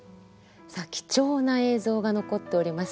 さあ貴重な映像が残っております。